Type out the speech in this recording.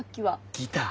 ギター。